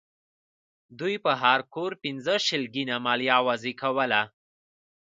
دوی پر هر کور پنځه شلینګه مالیه وضع کوله.